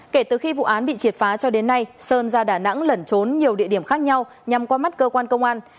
kể từ khi vụ án bị triệt phá cho đến nay sơn ra đà nẵng lẩn trốn nhiều địa điểm khác nhau nhằm qua mắt cơ quan công an